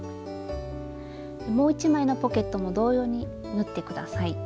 もう一枚のポケットも同様に縫って下さい。